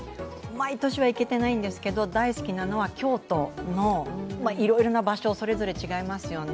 毎年は行けてないんですけど大好きなのは京都のいろいろな場所それぞれ違いますよね。